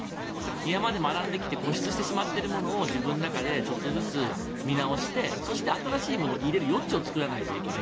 今まで学んできて固執してしまっていることを自分の中でちょっとずつ見直してそして、新しいものを入れる余地を作らないといけない。